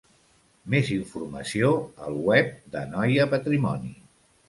Més informació al web d'Anoia Patrimoni.